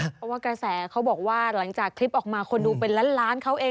เพราะว่ากระแสเขาบอกว่าหลังจากคลิปออกมาคนดูเป็นล้านล้านเขาเอง